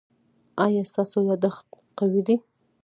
ایا ستاسو یادښت قوي دی؟